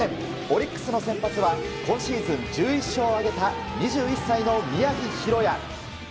オリックスの先発は今シーズン１１勝を挙げた２１歳の宮城大弥。